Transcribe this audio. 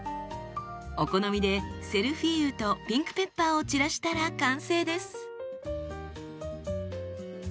お好みでセルフィーユとピンクペッパーを散らしたら完成です。